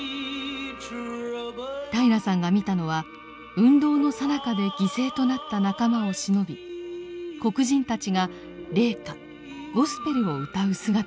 平良さんが見たのは運動のさなかで犠牲となった仲間をしのび黒人たちが霊歌「ゴスペル」を歌う姿でした。